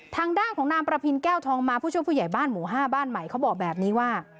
ทางด้านของนางประพินแก้วทองมาผู้ช่วยผู้ใหญ่บ้านหมู่๕บ้านใหม่เขาบอกแบบนี้ว่า